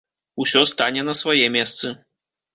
Усё стане на свае месцы.